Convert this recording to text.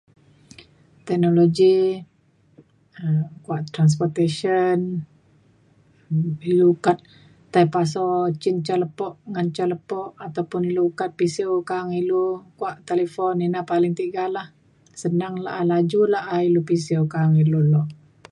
teknologi um kuak transportation ilu ukat tai paso cen ca lepo ngan ca lepo ataupun ilu ukat pisu ka'ang ilu kuak talipun ina paling tiga la senang la'a laju la'a ilu pisiu ka'ang ilu lok